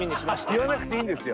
言わなくていいんですよ。